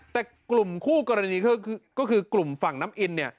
แต่กลุ่มคู่กรณีก็คือกลุ่มฝั่งน้ำอินเนี่ย